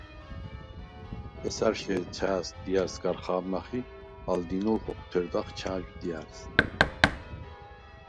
კესა̈რშერ ჩა̈ჟს დია̈რს გარ ხამნახ ი ალ დინოლ ხოქვთერდახ ჩაჟვ დია̈რს.